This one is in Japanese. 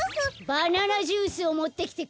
バナナジュースはやくもってきて！